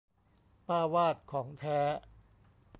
ป้าวาสของแท้